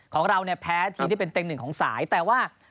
ของเราเนี่ยแพ้ทีมที่เป็นเต็งหนึ่งของสายแต่ว่า